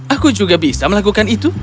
aku juga bisa melakukan itu